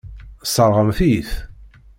Tesseṛɣemt-iyi-t.